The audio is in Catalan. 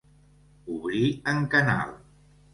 Obrir en canal.